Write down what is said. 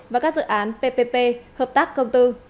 và các dự án ppp hợp tác công tư